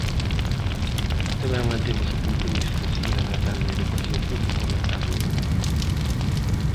Tamén mantemos o compromiso de seguir adaptando a educación pública ao mercado laboral.